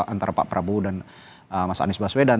antara pak prabowo dan mas anies baswedan